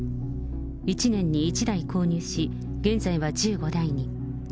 １年に１台購入し、現在は１５台に。